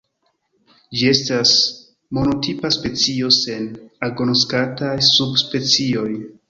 Ĝi estas monotipa specio sen agnoskataj subspecioj.